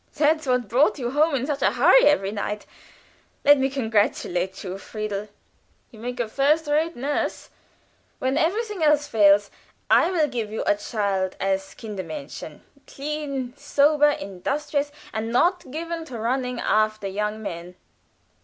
"That's what brought you home in such a hurry every night. Let me congratulate you, Friedel! You make a first rate nurse; when everything else fails I will give you a character as Kindermädchen; clean, sober, industrious, and not given to running after young men."